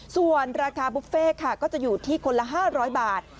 ส่วนราคาบุฟเฟ่ค่ะก็จะอยู่ที่คนละ๕๐๐บาท